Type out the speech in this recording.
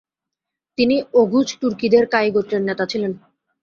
তিনি ওঘুজ তুর্কিদের কায়ি গোত্রের নেতা ছিলেন।